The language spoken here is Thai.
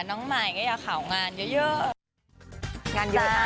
น้องใหม่ก็อยากข่างานเยอะ